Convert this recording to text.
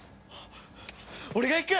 俺が行く！